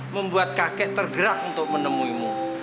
membuat kakek tergerak untuk menemuimu